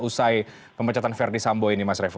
usai pemecatan verdi sambo ini mas revo